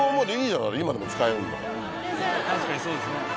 確かにそうですね。